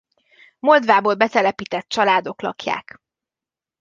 Moldvából betelepített családok lakják.